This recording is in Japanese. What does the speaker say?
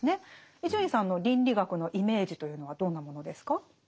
伊集院さんの倫理学のイメージというのはどんなものですか？